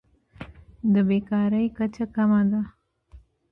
د بیکارۍ کچه کمه ده.